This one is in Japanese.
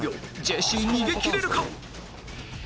ジェシー逃げ切れるか！？